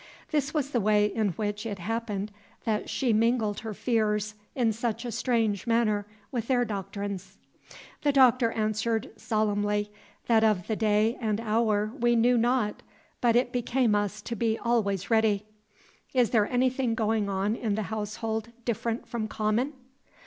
This was the way in which it happened that she mingled her fears in such a strange manner with their doctrines. The Doctor answered solemnly, that of the day and hour we knew not, but it became us to be always ready. "Is there anything going on in the household different from common?"